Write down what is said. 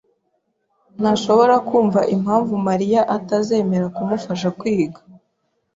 ntashobora kumva impamvu Mariya atazemera kumufasha kwiga.